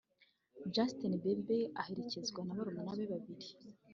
Justin Bieber aherekejwe na barumuna be babiri